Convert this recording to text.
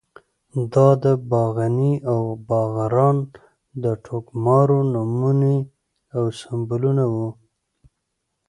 دا د باغني او باغران د ټوکمارو نمونې او سمبولونه وو.